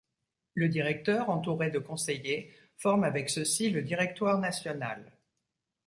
Le directeur, entouré de conseillers, forme avec ceux-ci le Directoire national.